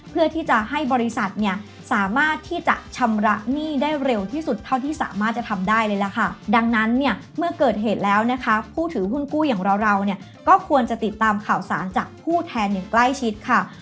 เพื่อที่จะให้บริษัทเนี่ยสามารถที่จะชำระหนี้ได้เร็วที่สุดเท่าที่สามารถจะทำได้เลยล่ะค่ะดังนั้นเนี่ยเมื่อเกิดเหตุแล้วนะคะผู้ถือหุ้นกู้อย่างเราเราเนี่ยก็ควรจะติดตามข่าวสารจากผู้แทนอย่างใกล้ชิดค่ะ